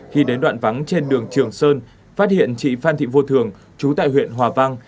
khi đến đoạn vắng trên đường trường sơn phát hiện chị phan thị vua thường trú tại huyện hòa vang